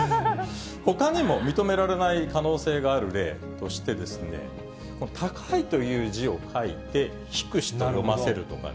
ほかにも認められない可能性があるという例として、高という字を書いてヒクシと読ませるとかね。